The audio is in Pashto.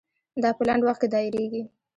دا په لنډ وخت کې دایریږي.